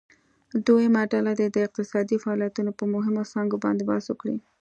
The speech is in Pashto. دویمه ډله دې د اقتصادي فعالیتونو په مهمو څانګو باندې بحث وکړي.